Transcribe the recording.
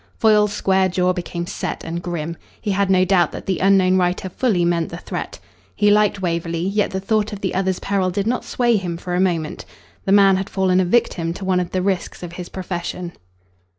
Foyle's square jaw became set and grim. He had no doubt that the unknown writer fully meant the threat. He liked Waverley, yet the thought of the other's peril did not sway him for a moment. The man had fallen a victim to one of the risks of his profession.